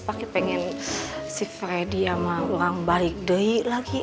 pakai pengen si freddy sama orang balik deh lagi